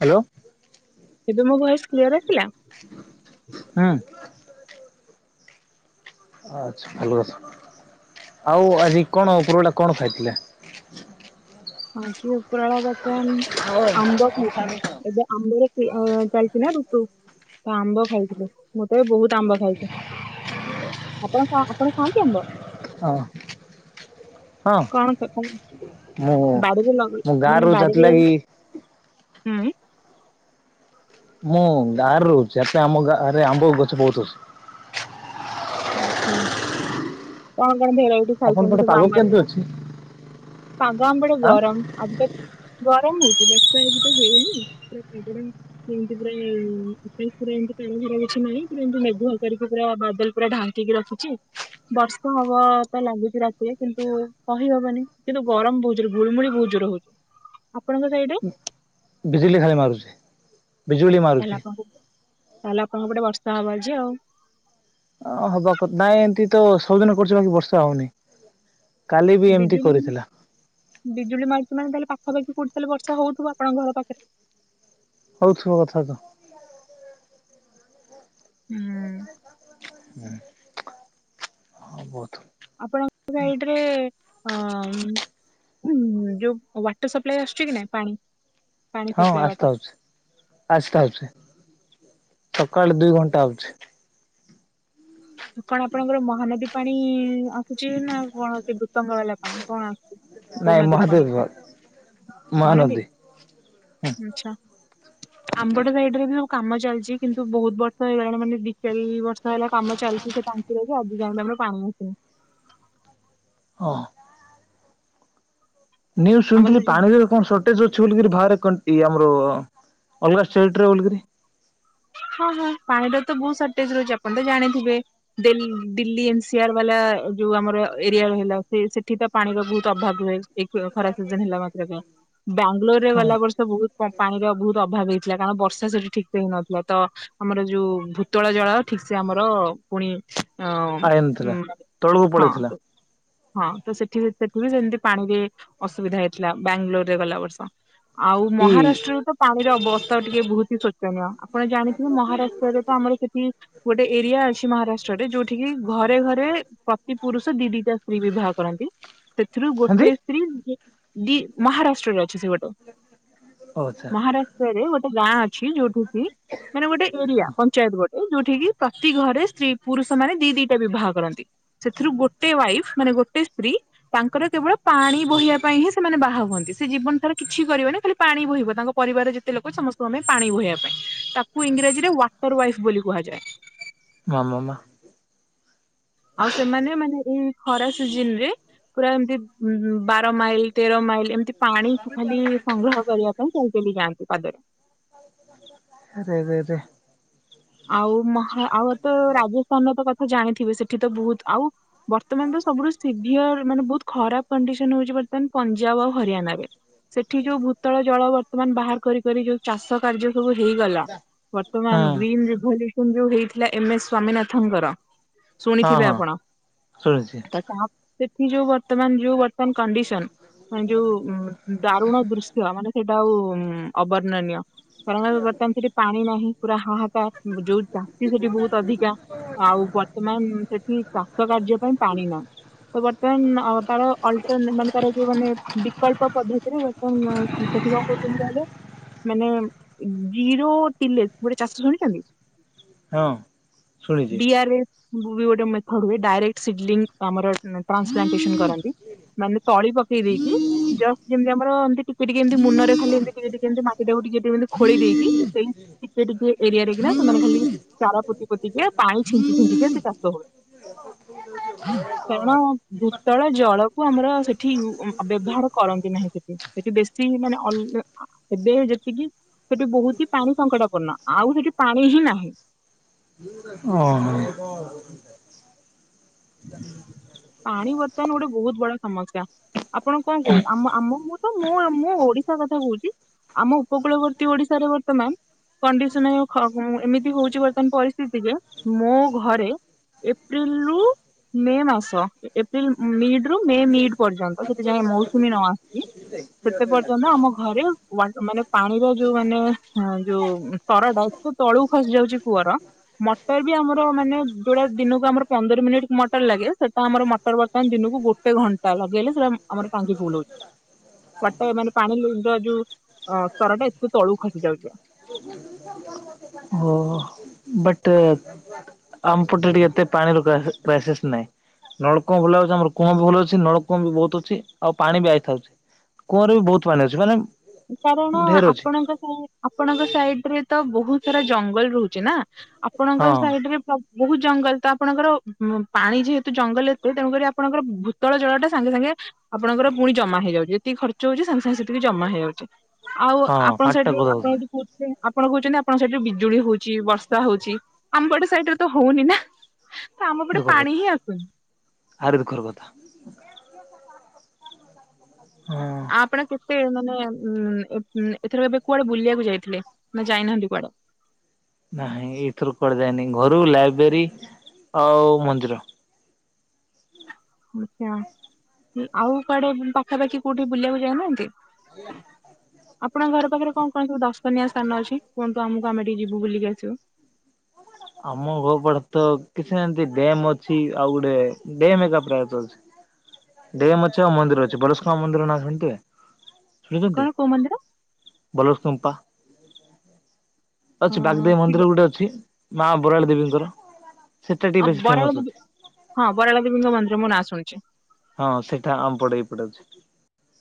Hello ଏବେ ମୋ voice clear ଅଛି? ହଁ ଆଛା, ଭଲ ଅଛ? ଆଉ ଆଜି କଣ, ଉପର ବେଳା କଣ ଖାଇଥିଲେ? ଆଁ କି ଉପରଏଳା ବର୍ତମାନ ଓ ଆମ୍ବ ଖାଇଥିଲି ଏବେ ଆମ୍ବରେ ଅ ଚାଲିଛି ନା ଋତୁ ତ ଆମ୍ବ ଖାଇଥିଲୁ ମୁଁ ତ ଏ ବହୁତ ଆମ୍ବ ଖାଇଛି। ଆପଣ ଖା ଆପଣ ଖାଆନ୍ତି ଆମ୍ବ? ହଁ ଅଁ କଣ ବାଡ଼ିରେ ଲଗେ, ମୁଁ ଗାଁରେ ମାନେ ରହୁଛି ବାଡ଼ିରେ ଇ ସେଥିଲାଗି ହୁଁ ଉଁ ମୁଁ ଗାଁରେ ରହୁଛି, ଏଟା ଆମ ଗାଁରେ ଆମ୍ବ ଗଛ ବହୁତ ଅଛି। ଆଛା, କଣ କଣ ଭେରାଇଟି ଆପଣଙ୍କ ଖାଇଛନ୍ତି ପଟେ ସବୁ ପାଗ ଆମ ଆଡ଼େ କେମିତି ଦିଟା ଅଛି ପାଗ ଆମ ଆଡ଼େ ଆଁ ଗରମ, ଆଉ ଗୋଟେ ଗରମ ହଉଚି। ବର୍ଷା ଏଇ ତ ହଉନି ପୁରା ପାଗଟା ଏମିତି ପୁରା ଆକା ଶ ପୁରା ଏମତି ପ ଘର ବ ନାଇଁ ପୁରନ୍ତୁ ମେଘ କରିକି ପୁରା ବାଦଲ ପୁରା ଢାଙ୍କିକି ରଖୁଛି। ବର୍ଷା ହବ ତ ଲାଗୁଛି ରାତିରେ କିନ୍ତୁ କହିହବନି କିନ୍ତୁ ଗରମ ବହୁତ ଜୋରରେ, ଗୁଳୁମୁଳି ବହୁତ [unintelligible] ସାଇଡରେ ବିଜୁଳି ଖାଲି ମାରୁୁଛି ବିଜୁଳି ତାହେଲେ ମାରୁୁଛି। ଆପଣଙ୍କ ତାହେଲେ ଆପଣଙ୍କପଟେ ବର୍ଷା ହବ ଆଜି ଆଉ ଅ ହବା କଥା ନାଇଁ ଏମିତି ତ ସବୁଦିନ କରୁଛି ବାକି ବର୍ଷା ହଉନି। କାଲି ବି ଏମିତି ବିଜୁଳି କରିଥିଲା ବିଜୁଳି ମାରୁଛି ମାନେ, ତାହେଲେ ପାଖ ହାରେ କି କୋଉଠି ତାହେଲେ ବର୍ଷା ହଉଥିବ ଆପଣଙ୍କ ଘର ପାଖରେ। ହଉଥିବା କଥା ତ। ହୁଁ ଉଁ ହୁଁ ହଁ ବହୁ ଆପଣଙ୍କ ସାଇଡ଼ ରେ ଅଁ ହଁ ଯୋଉ ୱାଟର ସପ୍ଲାଇ ଆସୁଛି କି ନାଇଁ ପାଣି? ପାଣି ହଁ ସପ୍ଲାଇ ଆସିତା ୱାଟର ହଉଛି, ଆସିତା ହଉଛି। ସକାଳେ ଦୁଇ ଘଣ୍ଟା ଆଉଛି। କଣ ଆପଣଙ୍କର ମହାନଦୀ ପାଣି ଆସୁଛି ନା କଣ ସେ ଗୁତଙ୍ଗ ବାଲା ପାଣି କଣ ଆସୁଛି? କୋଉ ନାଇଁ ନଦୀରୁ ମହାଦେବ କନେକ୍ଟ ବାଗ ମହାନଦୀ ହୁଁ ଆମ ପଟ ସାଇଡ଼ରେ ବି ସବୁ କାମ ଚାଲିଛି କିନ୍ତୁ ବହୁତ ବର୍ଷ ହେଇଗଲାଣି ମାନେ ଦି ଚାରି ବର୍ଷ ହେଲା କାମ ଚାଲୁ ର ଆଜି ଯାଏଁ ବି ଆମର ପାଣି ଆସିନି। ହଁ ନ୍ୟୁଜ ଆମର ଶୁଣିଥିଲି ସେ ଯୋଉ ପାଣିରେ କଣ ସଟେଜ ଅ ଛି ବଲିକିରି ବାହାରେ କଣ୍ଟି ଆମର ଅଲଗା ଷ୍ଟେଟ ରେ ବୋଲିକିରି। ହଁ ହଁ ପାଣି ଟା ତ ବହୁତ ସର୍ଟେଜ ରହୁଛି, ଆପଣ ତ ଜାଣିଥିବେ ଦେ ଦିଲ୍ଲୀ ଏନସିଆର ବାଲା ଯୋଉ ଆମର ଏରିଆ ରହିଲା ସେ ସେଠି ତ ପାଣିର ବହୁତ ଅଭାବ ରୁହେ ଏଇ ଖରା ସିଜନ ହେଲା ମାତ୍ର କ ବ୍ୟାଙ୍ଗଲୋର ରେ ହଁ ଗଲା ବର୍ଷ ବହୁତ ପା ପାଣିର ବହୁତ ଅଭାବ ହେଇଥିଲା କାରଣ ବର୍ଷା ସେଠି ଠିକ ସେ ହେଇନଥିଲା। ତ ଆମର ଯୋଉ ଭୂତଳ ଜଳ ଠିକ ସେ ଆମର ପୁଣି ହଁ ଆଇନ ଥିଲା ହୁଁ ତଳକୁ ପଳେଇଥିଲା ହଁ ହଁ ତ ସେଠି ସେଠି ବି ସେମିତି ପାଣିରେ ଅସୁବିଧା ହେଇଥିଲା ବ୍ୟାଙ୍ଗଲୋରରେ ଗଲା ବର୍ଷ। ଆଉ ଇ ମହାରାଷ୍ଟ୍ର ର ତ ପାଣିର ଅବସ୍ଥା ଟିକେ ବହୁତ ହି ଶୋଚନୀୟ। ଜାଣିଥିବ ମହାରାଷ୍ଟ୍ରରେ ତ ଆମର ସେଠି ଗୋଟେ ଏରିଆ ଅଛି ମ ମହାରାଷ୍ଟ୍ରରେ ଯୋଉଠି କିି ଘରେ ଘରେ ପ୍ରତି ପୁରୁଷ ଦି ଦିଟା ସ୍ତ୍ରୀ ବିବାହ କରନ୍ତି। ସେଥିରୁ ହେନ୍ତି ଗୋଟେ ସ୍ତ୍ରୀ ଦି ମହାରାଷ୍ଟ୍ରରେ ଅ ଛି ସେପଟେ ଓ ଆଚ୍ଛା ମହାରାଷ୍ଟ୍ରରେ ଗୋଟେ ଗାଁ ଅଛି ଯୋଉଠି କି ମାନେ ଗୋଟେ ଏରିଆ ପଞ୍ଚାୟତ ଯୋଉଠି କି ପ୍ରତି ଘରେ ସ୍ତ୍ରୀ ପୁରୁଷ ମାନେ ଦି ଦିଟା ବିବାହ କରନ୍ତି ସେଥିରୁ ଗୋଟେ ୱାଇଫ ମାନେ ଗୋଟେ ସ୍ତ୍ରୀ ତାଙ୍କର କେବଳ ପାଣି ବୋହିବା ପାଇଁ ହିଁ ସେମାନେ ବାହା ହୁଅନ୍ତି ସେ ଜୀବନ ସାରା କିଛି କରିବନି ଖା ଲି ପାଣି ବୋହିବ ତାଙ୍କ ପରିବାରରେ ଯେତେ ଲୋକ ଅଛ ସମସ୍ତଙ୍କ ପାଇଁ ପାଣି ବୋହିବା ପାଇଁ ତାକୁ ଇଂରାଜୀରେ ୱାଟର ୱାଇଫ ବୋଲି କୁହାଯାଏ। ମାମ ମା। ଆଉ ସେମାନେ ମାନେ ଖରା ସିଜିନରେ ପୁରା ଏମିତି ବାର ମାଇଲ ତେର ମାଇଲ ଏମତି ପାଣି ଖାଲି ସଂଗ୍ରହ କରିବା ପାଇଁ ଚାଲ ଚାଲି ଯାଆନ୍ତି ପାଦରେ। ରେରେରେ। ଆଉ ମ ଆଉ ତ ରାଜସ୍ଥାନର ତ କଥା ଜାଣିଥିବେ ସେଠି ତ ବହୁତ ଆଉ ବର୍ତ୍ତମାନର ସବୁଠୁ ସିଭିଅର ମାନେ ବହୁତ ଖରାପ କଣ୍ଡିସନ ହଉଛି। ବର୍ତ୍ତମାନ ପଞ୍ଜାବ ଆଉ ହରିୟାଣାବି। ସେଠି ଯୋଉ ଭୂତଳ ଜଳ ବର୍ତ୍ତମାନ ବାହାର କରି କରି ଯୋଉ ଚାଷ କାର୍ଯ୍ୟ। ସବୁ ହେଇଗଲା ହଁ ବର୍ତ୍ତମାନ ଗ୍ରୀନଭଲ୍ୟୁସନ ଯୋଉ ହେଇଥିଲା ଏମ ଏ ସ୍ଵାମୀନାଥଙ୍କର। ହଁ ଶୁଣିଥିବେ ହଁ ଆପଣ ଶୁଣିଛି ତ ତାପରେ ଏ ଯୋଉ ବର୍ତ୍ତମାନ ଯୋଉ ବର୍ତ୍ତମାନ କଣ୍ଡିସନ। ମାନେ ଯୋଉ ଉ ଦାରୁଣ ଦୃଶ୍ୟ ମାନେ ସେଇଟା ଆଉ ଅବର୍ଣ୍ଣନୀୟ। ବର ବର୍ତ୍ତମାନ ସେଠି ପାଣି ନାହିଁ ପୁରା ହାହାକାର ଯୋଉ ଚାଷୀ ସେଠି ବହୁତ ଅଧିକା। ଆଉ ବର୍ତ୍ତମାନ ସେଠି ଚାଷ କାର୍ଯ୍ୟ ପାଇଁ ପାଣି ନାହିଁ। ତ ବର୍ତ୍ତମାନ ତାର ଅଲଟର ମାନେ ତାର ଯୋଉ ମାନେ ବିକଳ୍ପ ପଦ୍ଧତିରେ ବର୍ତ୍ତମାନ ସେଠି କଣ କରୁଛନ୍ତି କହିଲେ? ମାନେ ଜିରୋତିଳେଶ ଗୋଟେ ଚାଷ ଶୁଣିଛନ୍ତି? ହଁ ଶୁଣିଛି। ବୁ ଗୋଟେ ମେଥଡୁଏ ଡାଇରେକ୍ଟ ସିଡ ଆମର ଟ୍ରାନ୍ସପ୍ଲାଟେସନ କରନ୍ତି ମାନେ ତଳି ପକେଇ ଦେଇକି ଜ ଯେମତି ଆମର ଏମତି ଟିକେ ଏମିତି ମୁନରେ ଖାଲି ଏମତି ଟିମତି ମାଟି ଡକୁ ଟିକେ ଟମିତି ଖୋଳି ଦେଇକି ସେ ଟିକେ ଟିକେ ଏରିଆରେ କିନା ସେମାନେ ଖାଲି ଚାର ପୋତି ପୋତିକି ପାଣି ଛିଞ୍ଚି ଛିଞ୍ଚିକି ସେ ଚାଷ ହୁଏ। ହୁଁ କାରଣ ଭୂତଳ ଜଳକୁ ଆମର ସେଠି ବ୍ୟବହାର କରନ୍ତି ନାହିଁ ସେଠି ସେଠି ବେଶୀ ସେଠି ମାନେ ଅ ଏବେ ଯେତିକି ସେଠି ବହୁତ ହି ପାଣି ସଙ୍କଟପୂର୍ଣ୍ଣ। ଆଉ ସେଠି ପାଣି ହିଁ ନାହିଁ। ହଁ ହଁ। ପାଣି ବର୍ତ୍ତମାନ ଗୋଟେ ବହୁତ ବଡ ସମସ୍ୟା। ଆପଣ କଣ କହୁ ଆ ଆମ ମୁଁ ତ ମୁଁ ମୁଁ ଓଡିଶା କଥା କହୁଛି। ଆମ ଉପକୂଳବର୍ତ୍ତୀ ଓଡିଶାରେ ବର୍ତ୍ତମାନ। କଣ୍ଡିସନ ଖ ଏମିତି ହଉଛି ବର୍ତ୍ତମାନ ପରିସ୍ଥିତିରେ ମୋ ଘରେ ଏପ୍ରିଲ ରୁ ମେ ମାସ। ଏପ୍ରିଲ ମିଡ ରୁ ମେ ମିଡ ପର୍ଯ୍ୟନ୍ତ ଯତେ ଯାଏ ମୌସୁମୀ ନ ଆସଛି। ସେତେ ପର୍ଯ୍ୟନ୍ତ ଆମ ଘରେ ମାନେ ପାଣିର ଯୋଉ ମାନେ ଯୋଉ ସ୍ରଟା ତ ତଳୁକୁ ଖସି ଯାଉଛି କୂଅର। ମଟର ବି ଆମର ମାନେ ଯୋଉଟା ଦିନକୁ ଆମର ପନ୍ଦର ମିନିଟ ମଟର ଲାଗେ ସେ ତ ଆମର ମଟର ବର୍ତ୍ତମାନ ଦିନୁକୁ ଗୋଟେ ଘଣ୍ଟା ଲଗେଇଲେ ସେଟା ଆମର ଟାଙ୍କି ଫୁଲ୍ ହୋଉଚି। ୱାଟର ମାନେ ପାଣି [unintelligible] ଯୋଉ ଅଁ ସ୍ତର ଟା ଏତେ ତଳୁକୁ ଖସି ଯାଉଚି। ଓହୋ ବଟ୍ ଆମ ପଟେ ଟିକେ ଏତେ ପାଣିର ପ୍ରାଏସ୍ ପ୍ରାଏସେସ୍ ନାଇଁ। ନଳକୂଅ ଭଲ ଅଛି ଆମର କୂଅ ବି ଭଲ ଅଛି ନଳକୂଅ ବି ବୋହୁତ ଅଛି ଆଉ ପାଣି ବି ଆଇଥାଉଛି। କୂଅରେ ବି ବୋହୁତ ପାଣି ମାନେ ଅଛି ମାନେ କାରଣ ଢେର ଅଛି ଆପଣଙ୍କ ସାଇ ଆପଣଙ୍କ ସାଇଡ୍ ରେ ତ ବୋହୁତ ସାରା ଜଙ୍ଗଲ ରୋହୁଚିନା। ହଁ ଆପଣଙ୍କର ସାଇଡରେ ପ୍ର ବୋହୁତ ଜଙ୍ଗଲ ତ ଆପଣଙ୍କର ପାଣି ଯେହେତୁ ଜଙ୍ଗଲରେ ଏତେ ତେଣୁକରି ଆପଣଙ୍କର ଭୂତଳ ଜଳ ଟା ସାଙ୍ଗେ ସାଙ୍ଗେ ଆପଣଙ୍କର ପୁଣି ଜମା ହେଇଯାଉଚି ଯେତିକି ଖର୍ଚ ହୋଉଛି ସାଙ୍ଗେ ସାଙ୍ଗେ ସେତିକି ଜମା ହେଇଯାଉ ଚି ଆଉ ହଁ ଆପଣ ମାଟିଟା ସାଇଟରେ କଥା ଆପଣ କହୁଥିଲେ। ଯୋଉ କୋହୁଥୁଲେ। ଆପଣ କୋହୁଚନ୍ତି ଆପଣଙ୍କ ସାଇଟରେ ବିଜୁଳି ହୋଉଚି ବର୍ଷା ହୋଉଛି ଆମ ପଟ ସାଇଟ୍ ରେ ତ ହୋଉନି ନା। ତ ଆମ ପଟେ ଦୁଃଖର ପାଣି କଥା ହିଁ ଆସୁନି। ଆହୁରି ଦୁଃଖର କଥା। ହଁ ଆପ୍ ଟା କେତେ ନୋ ନୟାନ୍ ଉଁ ଏବ୍ ଉଁ ଏଥର ଏବେ କୁଆଡେ ବୁଲିବାକୁ ଯାଇଥିଲେ ନା ଯାଇନାହାନ୍ତି କୁଆଡେ। ନାଇଁ ଏଇଥର କୁଆଡେ ଯାଇନି ଘରୁ ଲାଇବ୍ରେରୀ ଆଉ ମନ୍ଦିର। ଆଚ୍ଛା ଉଁ ଆଉ କୁଆଡେ ବୁ ପାଖାପାଖି କୋଉଠି ବୁଲିବାକୁ ଯାଉନାହାନ୍ତି। [unintelligible] ଆପଣଙ୍କ ଘର ପାଖରେ କଁ କଁ ସବୁ ଦର୍ଶନଅ ସ୍ଥାନ ଅଛି କୁହନ୍ତୁ ଆମକୁ ଆମେ ଟିକେ ଯିବୁ ବୁଲିକି ଆସିବୁ। ଆମ ଘର ପଢ଼େ ତ କିଛି ନାଇଁ ଏନ୍ତି ଡ୍ୟମ୍ ଅଛି ଆଉ ଗୋଟେ ଡ୍ୟମ୍ ଏକା ପ୍ରାୟତଃ ଅଛି। ଡେମ୍ ଅଛି ଆଉ ମନ୍ଦିର ଅଛି ବଲ୍ସୋତୋମ୍ପା ମନ୍ଦିର ନା ଶୁଣିଥିବେ। କଣ ଶୁଣିଚନ୍ତି କୋଉ ମନ୍ଦିର ବଲ୍ସୋତୋମ୍ପା। ଅ ଅଛି ବାଗଦେବୀ ଶିବ ମନ୍ଦିର ଗୁଟେ ଅଛି ମା ବରାଳ ଦେବୀଙ୍କର। ସେଟା ଟିକେ ଅ ବେଶୀ ଫେମସ ବରାଳ ଦେବୀ ଅଛି। ହଁ ବରାଳ ଦେବୀଙ୍କ ମନ୍ଦିର ମୁଁ ନାଁ ଶୁଣିଚି। ହଁ ସେଟା ଆମ ପଟେ ଏଇ ପଟେ ଅଛି।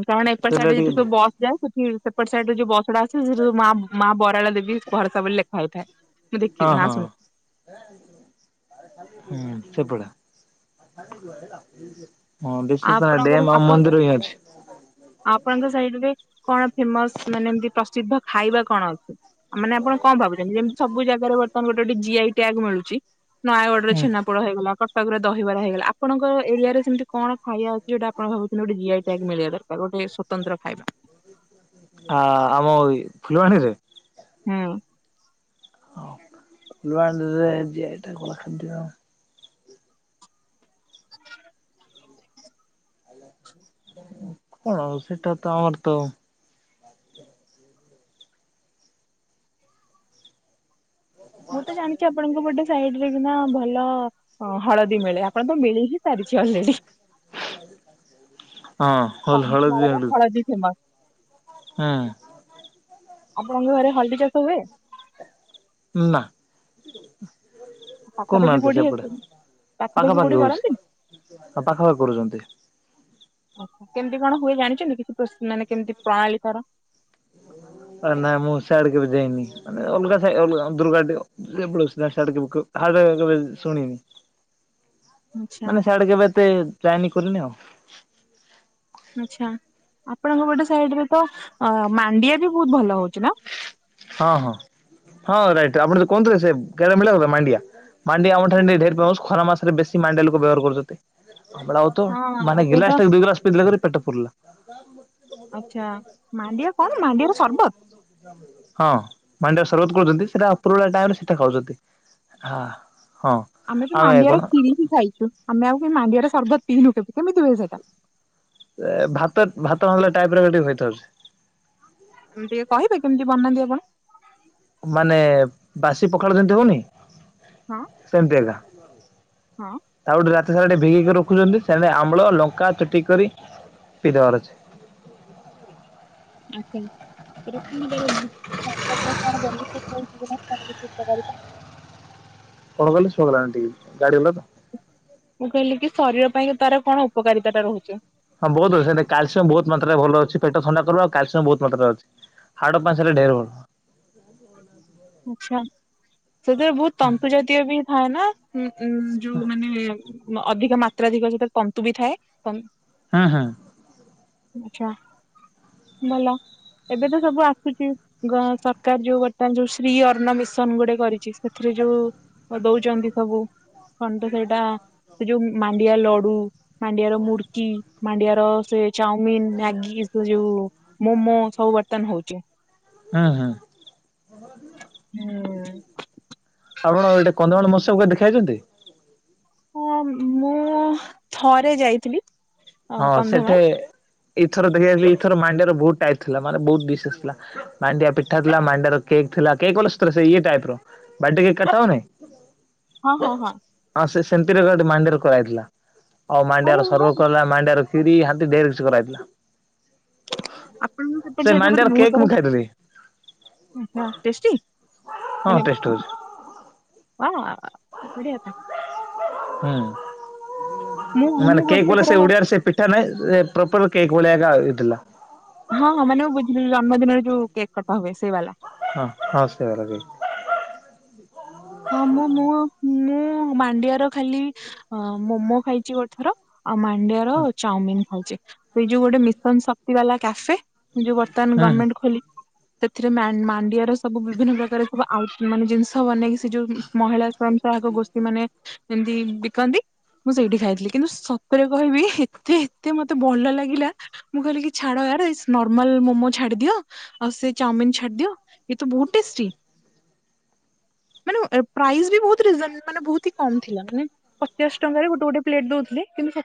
ହୁଁ ତାମାନେ ଏପଟ୍ ସେଟା ସାଇଡରେ ଯେତେ ସବୁ ଟିକେ ବସ୍ ଯାଏ ସେଠୀ ସେପଟ ସାଇଡରୁ ଯୋଉ ବସ୍ ଗୁଡା ଆସେ ସେ ସବୁ ମା ମା ବ କାଳ ଦେବୀ ଭରସା ବୋଲି ଲେଖା ହେଇଥାଏ। ମୁଁ ଦେଖି ନାଁ ଅଁହଁ ଶୁଣିଛି। ହୁଁ ସେଇପଡ଼। [unintelligible] ହଁ ଡେଶି ଫ୍ରିଇଡେ ଆପଣଙ୍କର ମ ଆପଣ ମନ୍ଦିର ବି ଯାଉଛି। ଆପଣଙ୍କ ସାଇଡ ରେ କଣ ଫେମସ ମାନେ ଏମତି ପ୍ରସିଦ୍ଧ ଖାଇବା କଣ ଅଛି। ମାନେ ଆପଣ କଁ ଭାବୁଚନ୍ତି ଜେନ୍ତି ସବୁ ଜାଗାରେ ବର୍ତ୍ତମାନ ଗୋଟେ ଗୋଟେ ଜି ଆଇ ଟ୍ୟାଗ୍ ମିଳୁଚି। ନୟାଗଡ଼ର ହୁଁ ଛେନାପୋଡୋ ହେଇଗଲା କଟକରେ ଦହିବରା ହେଇଗଲା ଆପଣଙ୍କ ଏରିଆର ସେମିତି କଣ ଖାଇବା ଅଛି ଯୋଉଟା ଆପଣ ଭାବୁଥୁଲେ ଗୋଟେ ଜି ଆଇ ଟ୍ୟାଗ୍ ମିଳିବା ଦରକାର ଗୋଟେ ସ୍ଵତନ୍ତ୍ର ଖାଇବା। ଆଁ ଆମ ଏଇ ଫୁଲୁବାଣୀରେ। ହୁଁ। ହଁ ଫୁଲବାଣୀରେ ଜି ଆଇ ଟ୍ୟାଗ୍ ବାଲା ଖାଦ୍ୟ। [inaudible] ହୁଁ କଣ ଆଉ ସେଟା ତ ଆମର ତ ଆଉ ମୁଁ ତ ଜାଣିଚି ଆପଣଙ୍କ ପଟ ସାଇଡରେ କିନ୍ତୁ ହଁ ଭଲ ଅଁ ହଳଦୀ ମିଳେ ଆପଣ ତ ମିଳି ହିଁ ସାରିଛି ଅଲରେଡି। ହଁ ହଲ୍ ହଳଦି କନ୍ଧମାଳର ମିଳୁ ହଳଦୀ ଫେମସ ହାଁ। ଆପଣଙ୍କ ଘରେ ହଳଦୀ ଚାଷ ହୁଏ। ଉଁ ନାଁ। ପାଖାପାଖି କରୁନାହାନ୍ତି କୋଉଠି ସେପଟେ କୋଉଠି ପାଖାପାଖି ହୋଉଛି। କରନ୍ତିନି? ଆଁ ପାଖାପାଖ କରୁଚନ୍ତି। ଅହଁ କେମିତି କଣ ହୁଏ ଜାଣିଚନ୍ତି କିଛି ପ୍ରୋସ ମାନେ କେମିତି ପ୍ରଣାଳୀ ତାର। ଆଁ ନାଇଁ ମୁଁ ସ୍ୟାଡେ କେବେ ଯାଇନି ମାନେ ଅଲଗା ସାହି ଅଲଗା। [unintelligible] [unintelligible] ଶୁଣିନି। [inaudible] ଆଚ୍ଛା ମାନେ ସିଆଡେ କେବେ ଏତେ ଯାଇନି କରିନି ଆଉ। ଆଚ୍ଛା। ଆପଣଙ୍କ ପଟ ସାଇଡ୍ ରେ ତ ମାଣ୍ଡିଆ ବି ବହୁତ ଭଲ ହଉଛି ନା। ହଁ ହଁ ହଁ ରାଇଟ୍। ଆପଣ ତ କହୁନଥିଲେ ସେ ଘ ମିଳ କଥା ମାଣ୍ଡିଆ। ମାଣ୍ଡିଆ ଆମ ଠାରେ ଢେରି ପା ଖରା ମାସରେ ବେଶୀ ମାଣ୍ଡିଆ ଲୋକ ବ୍ୟବହାର କରୁଛନ୍ତି। ଆମ ଆଉ ତ ହଁ ମାନେ ଏବେ ଗିଲାସ ତ ଟା ଦୁଇ ଗିଲାସ ପିଇଦେଲେ କି ପେଟ ଫୁରିଲା। ଆଛା ମାଣ୍ଡିଆ କଣ ମାଣ୍ଡିଆର ସରବତ। ହଁ ମାଣ୍ଡିଆ ସରବତ କରୁଛନ୍ତି। ସେଟା ପୁରୁ ଟାଇମରେ ସେଟା ଖାଉଛନ୍ତି। ହଁ। ହଁ ଆମେ ତ ମାଣ୍ଡିଆର ଖିରି ହିଁ ଖାଇଛୁ। ଆମେ ଆଉ ମାଣ୍ଡିଆର ସର୍ବତ ପିଇନୁ କେବେ। କେମିତି ହୁଏ ସେଟା? ଭାତ ଭାତ ନଲେ ଟାଇପ ର [unintelligible] ଟିକେ କହିବେ କେମିତି ବନାନ୍ତି ଆପଣ। ମାନେ ବାସି ପଖାଳ ଯେମିତି ହଉନି ହଁ ସେମିତି ଏକା। ହଁ ତା ଗୋଟେ ରା ସିଆଡେ ଭିଗିକି ରଖୁଛନ୍ତି। ସେ ଆମ୍ଳ ଲଙ୍କା ଚୁଟି କରି ପିଇ ଦବାର ଅଛି। ଆଛା [unintelligible] କଣ [unintelligible] କଣ କହିଲେ ଶୁଣା ଗଲାନି ଟିକେ ଗାଡି ଗଲା ତ, ମୁଁ କହିଲି କି ଶରୀର ପାଇଁ ତାର କଣ ଉପକାରିତା ଟା ରହୁଚି? ହଁ ବହୁତ ଅଛି। ସେ କାଲସିୟମ୍ ବହୁତ ମାତ୍ରାରେ ଭଲ ଅଛି। ପେଟ ଥଣ୍ଡା କରିବ। ଆଉ କାଲସିୟମ୍ ବହୁତ ମାତ୍ରାରେ ଅଛି। ହାଡ ପାସେରେ ଢେର ଭଲ। ଆଚ୍ଛା ସେଥିରେ ବହୁତ ତମ୍ପୁ ଜାତୀୟ ବି ଥାଏ ନା। ହୁଁ। ଉଁ ଯୋଉ ମାନେ ଅଧିକ ମାତ୍ରାଧିକ ସେଥୀ ତନ୍ତୁ ବି ଥାଏ। ହୁଁ ହୁଁ। ଆଚ୍ଛା। ଭଲ ଏବେ ତ ସବୁ ଆସୁଛି। ଗ ସରକାର ଯୋଉ ବର୍ତ୍ତମାନ ଯୋଉ ସ ସ୍ତ୍ରୀ ଅର୍ଣ୍ଣ ମିଶନ ଗୋଟେ କରିଛି। ସେଥିରେ ଯୋଉ ଦଉଛନ୍ତି ସବୁ। କନ୍ ତ ସେଇଟା। ସେ ଯୋଉ ମାଣ୍ଡିଆ ଲଡୁ ମାଣ୍ଡିଆର ମୁଡକି ମାଣ୍ଡିଆର ସେ ଚାଉମିିନ୍ ମ୍ୟାଗି। ସେ ଯଉ ମୋମୋ ସବୁ ବର୍ତନ ହଉଛି। ହଁ ହଁ। ହୁଁ। ଆପଣ ଏଟେ କନ୍ଧମାଳ ମହୋତ୍ସବ କେବେ ଦେଖି ଆଇଛନ୍ତି? ହଁ ମୁଁ ଥରେ ଯାଇଥିଲି। ହଁ କନ୍ଧମାଳ ସେଠେ ଏଥର ଦେଖିବା ଯାଇଥିଲି ଏଇଥର ମାଣ୍ଡିଆ ର ବହୁତ ଟାଇପ୍ ଥିଲା। ମାନେ ବହୁତ ଡିସେସ୍ ଥିଲା। ମାଣ୍ଡିଆ ପିଠା ଥିଲା। ମାଣ୍ଡିଆର କେ କ ଥିଲା କେକ୍ ବୋଲେ ଇଏ ଟାଇପ୍ ର ବାଡେ କେକ୍ କଟା ହଉନି। ହଁ ହଁ ହଁ। ସେମିତି ରେ ମାଣ୍ଡିଆରେ କରା ହେଇଥିଲା। ଆଉ ମାଣ୍ଡିଆର ଆରେ ହଁ ସର୍ବ ହେଲା ଆଉ ମାଣ୍ଡି କ୍ଷୀରି ହାତୀ ଢେର୍ କିଛି କରାହେଇଥିଲା। ଆପଣଙ୍କୁ ସେପଟ୍ ସେ ସାଇଟ୍ ରେ ଗୋଟେ ମାଣ୍ଡିଆର ବୋହୁ କେକ୍ ମୁଁ କରେ। ଖାଇଥିଲି ଆଚ୍ଛା ଟେଷ୍ଟି। ହଁ ମାନେ ଟେଷ୍ଟ ହଉଛି ୱା ବଢିଆ ତ। ହୁଁ ମୁଁ ମାନେ ମୁଁ କେକ୍ ଗୋଟେ ବୋଲେ ଥର ସେ ହଁ ଓଡିଆରେ ସେ ପିଠା ନାହିଁ। ପ୍ରପର କେକ୍ ବଳିଆ କା ହେଇଥିଲା। ହଁ ହଁ ମାନେ ମୁଁ ବୁଝିଲି। ଜନ୍ମଦିନରେ ଯୋଉ କେକ୍ କଟା ହୁଏ। ସେଇ ବାଲା। ହଁ ହହଁ ସେଇ ବାଲା କେକ୍। ହଁ ମୁଁ-ମୁଁ-ମୁଁ ମାଣ୍ଡିଆର ଖାଲି ମୋମୋ ଖାଇଛି ଗୋଟେ ଥର। ଆଉ ମାଣ୍ଡିଆର ହୁଁ ଚାଉମିିନ୍ ଖାଇଛି। ଏ ଯଉ ଗୋଟେ ମିଶନ ଶକ୍ତି ବାଲା କ୍ୟାଫେ। ଯୋଉ ବର୍ତ୍ତମାନ ହୁଁ। ଗମେଣ୍ଟ ଖୋଲି ସେଥିରେ ମା ମାଣ୍ଡିଆର ସବୁ ବିଭିନ୍ନ ପ୍ରକାର ସବୁ ଆଉ ମାନେ ଜିନିଷ ବନେଇକି ସ ଯୋଉ ମହିଳା ସ୍ଵୟଂ ସହାୟକ ଗୋଷ୍ଠୀ ମାନେ ଯେମିତି ବିକନ୍ତି ମୁଁ ସେଇଠି ଖାଇଥିଲି କିନ୍ତୁ ସତରେ କହିବି ଏତେ ଏତେ ମତେ ଭଲ ଲାଗିଲା ମୁଁ କହିଲି କି ଛାଡ ଆରେ ନର୍ମାଲ ମୋମୋ ଛାଡ଼ି ଦିଅ ଆଉ ସେଇ ଚାଓମିନ୍ ଛାଡ଼ି ଦିଅ ଇଏ ତ ବହୁତ୍ ଟେଷ୍ଟୀ। [inaudible] ମାନେ ଅ ପ୍ରାଇସ୍ ବି ରିଜ୍ ବହୁତ ମାନେ ବହୁତ ହି କମ୍ ଥିଲା ମାନେ ପଚାଶ ଟଙ୍କାରେ ଗୋଟେ ଗୋଟେ ପ୍ଲେଟ ଦଉଥିଲେ କିନ୍ତୁ ସ